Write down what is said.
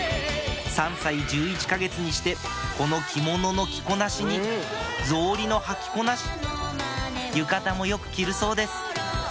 ３歳１１か月にしてこの着物の着こなしに草履の履きこなし浴衣もよく着るそうです